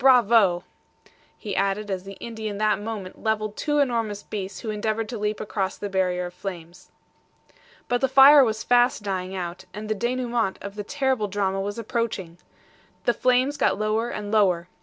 Bravo!" he added as the Indian that moment leveled two enormous beasts who endeavored to leap across the barrier of flames. But the fire was fast dying out, and the DENOUEMENT of the terrible drama was approaching. The flames got lower and lower.